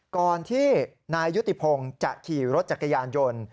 ก่อนที่นายยุติพงศ์จะขี่รถจักรยานยนต์